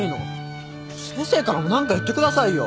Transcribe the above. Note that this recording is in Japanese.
先生からも何か言ってくださいよ。